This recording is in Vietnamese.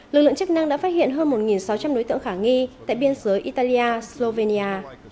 lực lượng chức năng đã phát hiện hơn một sáu trăm linh đối tượng khả nghi tại biên giới italia slovenia